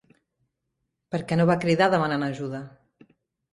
Per què no va cridar demanant ajuda?